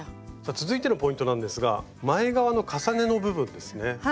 続いてのポイントなんですが前側の重ねの部分ですね。